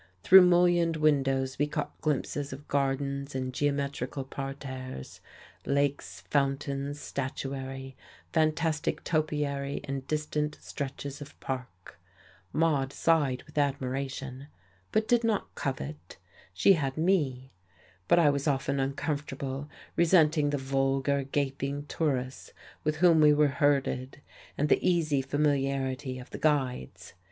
Through mullioned windows we caught glimpses of gardens and geometrical parterres, lakes, fountains, statuary, fantastic topiary and distant stretches of park. Maude sighed with admiration, but did not covet. She had me. But I was often uncomfortable, resenting the vulgar, gaping tourists with whom we were herded and the easy familiarity of the guides.